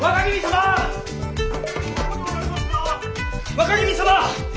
若君様！